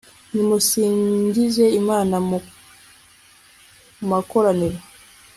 nimusingize imana mu makoraniro